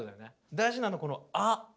大事なのこの「Ａ」。